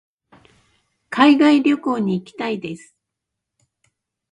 海外旅行に行きたいです。